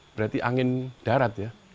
berarti angin darat ya